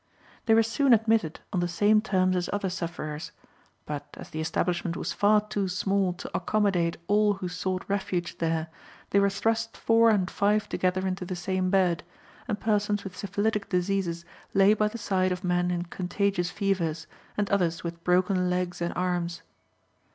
They were soon admitted on the same terms as other sufferers; but, as the establishment was far too small to accommodate all who sought refuge there, they were thrust four and five together into the same bed, and persons with syphilitic diseases lay by the side of men in contagious fevers, and others with broken legs and arms.